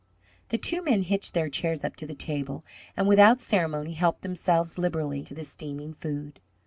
The two men hitched their chairs up to the table, and without ceremony helped themselves liberally to the steaming food.